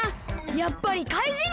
やっぱりかいじんだ！